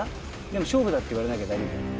でも勝負だって言われなきゃ大丈夫。